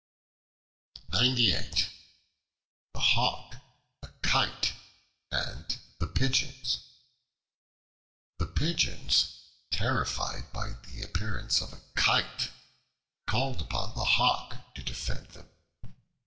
The Hawk, the Kite, and the Pigeons THE PIGEONS, terrified by the appearance of a Kite, called upon the Hawk to defend them.